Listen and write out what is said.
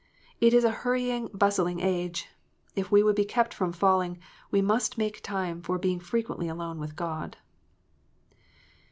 It is a hurrying, bustling age : if we would be kept from falling, we must make time for being frequently alone with God.